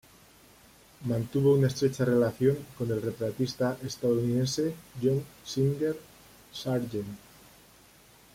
Mantuvo una estrecha relación con el retratista estadounidense John Singer Sargent.